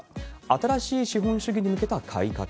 新しい資本主義に向けた改革。